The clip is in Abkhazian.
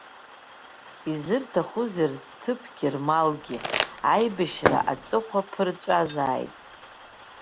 Изырҭахузеи рҭыԥгьы рмалгьы, аибашьра аҵыхәа ԥырҵәазааит!